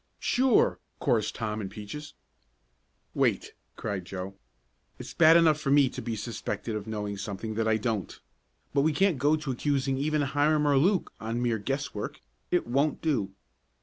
"Sure!" chorused Tom and Peaches. "Wait!" cried Joe. "It's bad enough for me to be suspected of knowing something that I don't, but we can't go to accusing even Hiram or Luke on mere guesswork. It won't do."